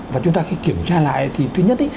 và chúng ta khi kiểm tra lại thì thứ nhất